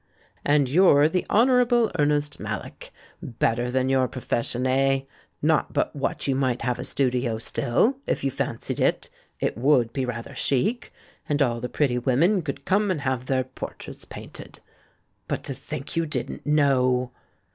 "And you're the Honourable Ernest Mallock. Better than your profession, eh? Not but what you might have a studio still, if you fancied it. It would be rather chic. And all the pretty women could come and have their portraits painted. But, to think you didn't know!"